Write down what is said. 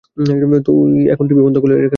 তুই এখন টিভি বন্ধ করলি কেন?